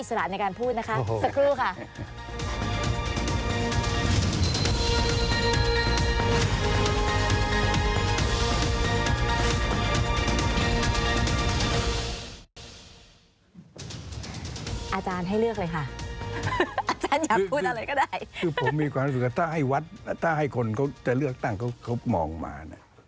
ถ้าให้วัดถ้าให้คนเขาจะเลือกตั้งเขามองมา